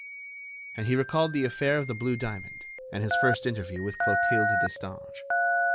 And he recalled the affair of the blue diamond and his first interview with Clotilde Destange.